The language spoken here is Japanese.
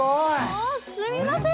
あっすみません。